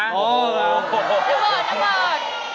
น้ำเบิร์ดน้ำเบิร์ด